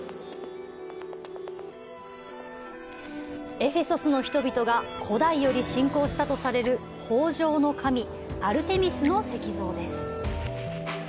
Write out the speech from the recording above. エフェソスの人々が古代より信仰したとされる豊穣の神アルテミスの石像です。